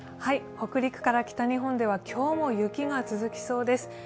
北陸から北日本では今日も雪が続きそうです。